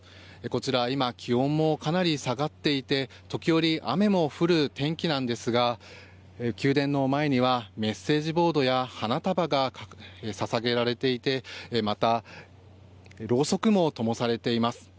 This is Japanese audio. こちら、今気温もかなり下がっていて時折、雨も降る天気ですが宮殿の前にはメッセージボードや花束がささげられていてまた、ろうそくもともされています。